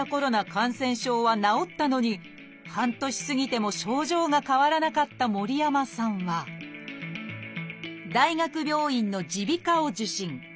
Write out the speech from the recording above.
感染症は治ったのに半年過ぎても症状が変わらなかった森山さんは大学病院の耳鼻科を受診。